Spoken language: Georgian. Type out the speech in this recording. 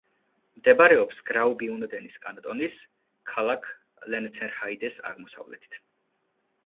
მდებარეობს გრაუბიუნდენის კანტონის ქალაქ ლენცერჰაიდეს აღმოსავლეთით.